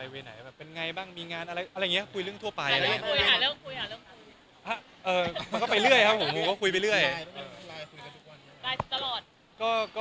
วันไว้ตลอด